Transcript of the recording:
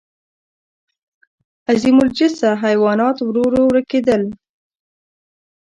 عظیم الجثه حیوانات ورو ورو ورکېدل.